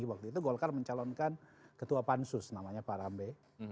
waktu itu golkar mencalonkan ketua pansus namanya pak rambe